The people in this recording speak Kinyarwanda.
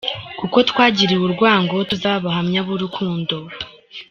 Kuko twagiriwe urwango, Tuzabe abahamya b’Urukundo.